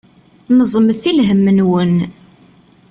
Neẓmet i lhem-nwen.